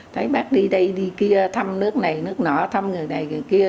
thấy bác đi đây đi kia thăm nước này nước nọ thăm người này người kia